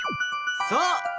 そう！